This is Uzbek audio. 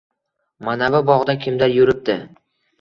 — Manavi bog‘da kimdir yuribdi.